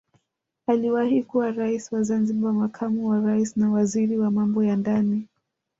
Aliwahi kuwa rais wa Zanzibar makamu wa rais na waziri wa Mambo ya ndani